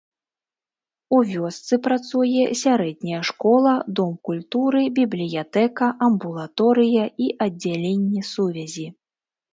У вёсцы працуе сярэдняя школа, дом культуры, бібліятэка, амбулаторыя і аддзяленне сувязі.